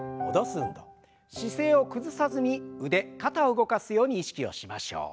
姿勢を崩さずに腕肩を動かすように意識をしましょう。